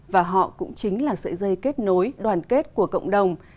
và họ cũng chính là sợi dây kết nối đoàn kết của cộng đồng